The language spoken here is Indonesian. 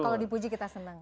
kalau dipuji kita seneng